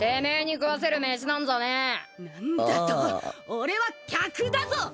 俺は客だぞ！